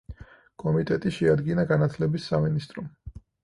კომიტეტი შეადგინა განათლების სამინისტრომ.